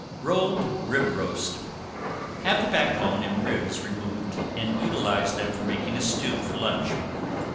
~ROLLED RIB ROAST~ Have the backbone and ribs removed and utilize them for making a stew for lunch.